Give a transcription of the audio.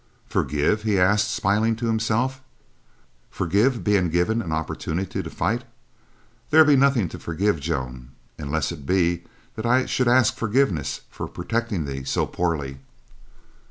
"Forgive?" he asked, smiling to himself. "Forgive being given an opportunity to fight? There be nothing to forgive, Joan, unless it be that I should ask forgiveness for protecting thee so poorly."